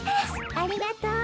ありがとう。